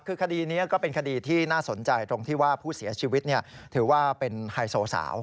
คือคดีนี้ก็เป็นคดีที่น่าสนใจตรงที่ว่าผู้เสียชีวิตถือว่าเป็นไฮโซสาว